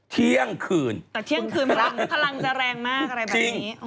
เที่ยงคืนแต่เที่ยงคืนพลังจะแรงมากอะไรแบบนี้จริง